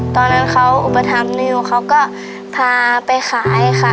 ตอนนั้นเขาอุปถัมภ์นิวเขาก็พาไปขายค่ะ